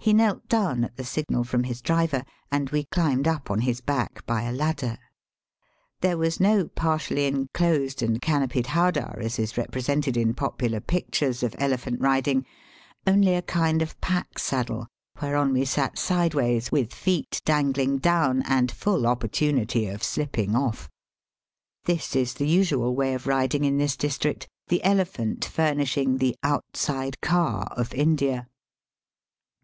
He knelt down at the signal from his driver, and we climbed up on his back by a ladder. There was no partially enclosed and canopied howdah as is repre sented in popular pictures of elephant ridingj, only a kind of pack saddle, whereon we sat sideways, with feet danghng down and full opportunity of slipping off. This is the usual way of riding in this district, the elephant furnishing the *^ outside car" of India.